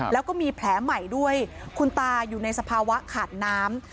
แล้วก็มีแผลใหม่ด้วยคุณตาอยู่ในสภาวะขาดน้ำ